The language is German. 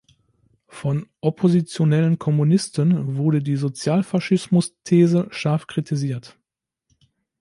Von oppositionellen Kommunisten wurde die Sozialfaschismusthese scharf kritisiert.